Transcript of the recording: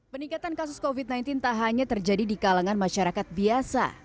peningkatan kasus covid sembilan belas tak hanya terjadi di kalangan masyarakat biasa